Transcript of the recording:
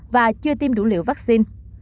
và chưa tiêm đủ liệu vaccine